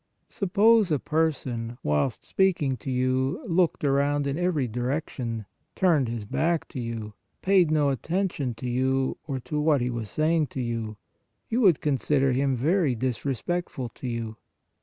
Suppose a person, whilst speaking to you, looked around in every direction, turned his back to you, paid no attention to you, or to what he was saying to you, you would consider him very disrespectful to you.